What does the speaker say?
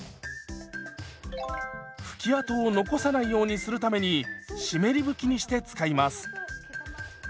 拭き跡を残さないようにするために湿り拭きにして使います。